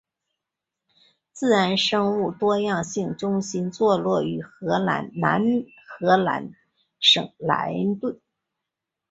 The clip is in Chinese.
自然生物多样性中心座落于荷兰南荷兰省莱顿。